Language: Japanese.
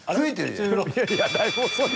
［いやいやだいぶ遅いな］